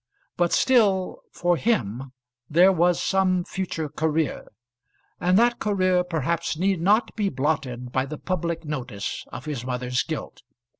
But still for him there was some future career; and that career perhaps need not be blotted by the public notice of his mother's guilt.